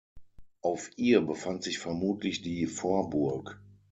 Auf ihr befand sich vermutlich die Vorburg.